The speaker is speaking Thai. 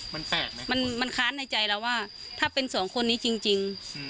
มันแปลกไหมมันค้านในใจเราว่าถ้าเป็นสองคนนี้จริง